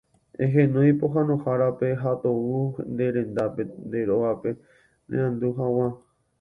Ehenói pohãnohárape ha tou nde rendápe, nde rógape, neandu hag̃ua.